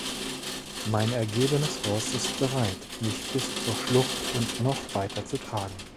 Mein ergebenes Ross ist bereit, mich bis zur Schlucht und noch weiter zu tragen.